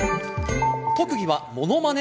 特技はものまね？